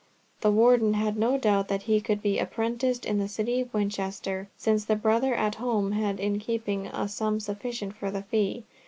The Warden had no doubt that he could be apprenticed in the city of Winchester, since the brother at home had in keeping a sum sufficient for the fee.